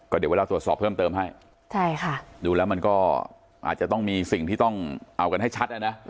เดี๋ยวเวลาตรวจสอบเพิ่มเติมให้ใช่ค่ะดูแล้วมันก็อาจจะต้องมีสิ่งที่ต้องเอากันให้ชัดนะ